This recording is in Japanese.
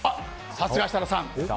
さすが、設楽さん！